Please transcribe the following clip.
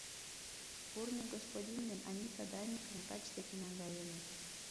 — Бурни господин ден Анита Даникым врач деке наҥгаеныт.